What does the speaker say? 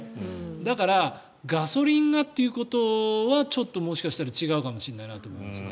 だからガソリンがということはちょっともしかしたら違うかもしれないなと思いますね。